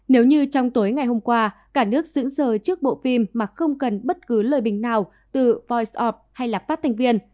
nếu như trong tối ngày hôm qua cả nước dững sờ trước bộ phim mà không cần bất cứ lời bình nào từ voice of hay là phát thành viên